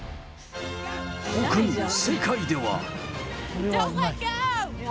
ほかにも世界では。